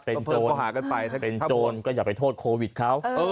เป็นโจรก็อย่าไปโทษโควิดครับ